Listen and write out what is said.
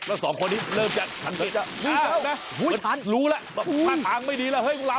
แล้วสองคนนี้เริ่มจะทันทีอ้าวเหมือนรู้แล้วว่าทางไม่ดีแล้วเฮ้ยคุณผู้หลัก